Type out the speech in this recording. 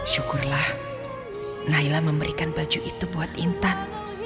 syukurlah naila memberikan baju itu buat intan